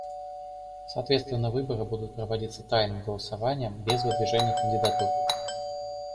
Соответственно, выборы будут проводиться тайным голосованием без выдвижения кандидатур.